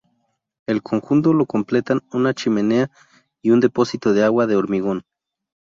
El conjunto lo completan una chimenea y un depósito de agua de hormigón.